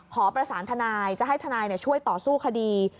ขอประสานทนายจะให้ทนายช่วยต่อสู้คดี